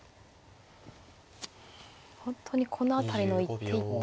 本当にこの辺りの一手一手が。